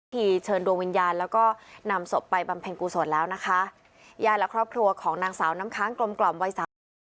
เชิญดวงวิญญาณแล้วก็นำศพไปบำเพ็ญกุศลแล้วนะคะญาติและครอบครัวของนางสาวน้ำค้างกลมกล่อมวัยสามสิบปี